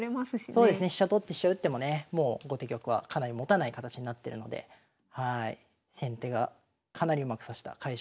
そうですね飛車取って飛車打ってもねもう後手玉はかなりもたない形になってるので先手がかなりうまく指した快勝譜となりました。